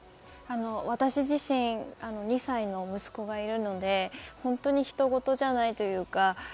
私自身、２歳の息子がいるので本当に他人事じゃないというか。